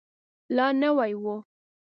لا نوی و.